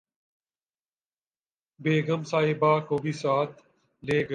بیگم صاحبہ کو بھی ساتھ لے گئے